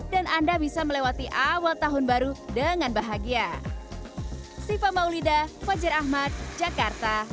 dan anda bisa melewati awal tahun baru dengan bahagia